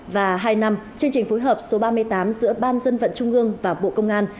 và hai năm chương trình phối hợp số ba mươi tám giữa ban dân vận trung ương và bộ công an